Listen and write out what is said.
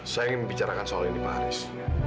saya ingin membicarakan soal ini pak aris